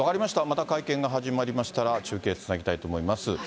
また会見が始まりましたら、中継つなぎたいと思います。